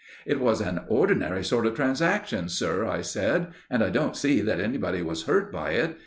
"It was an ordinary sort of transaction, sir," I said, "and I don't see that anybody was hurt by it.